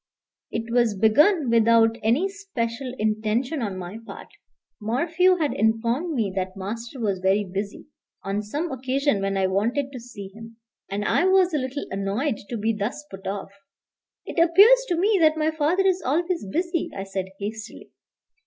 It was begun without any special intention on my part. Morphew had informed me that master was very busy, on some occasion when I wanted to see him. And I was a little annoyed to be thus put off. "It appears to me that my father is always busy," I said hastily.